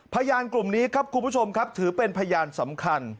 พยานกลุ่มนี้ครับคุณผู้ชมครับถือเป็นพยานสำคัญ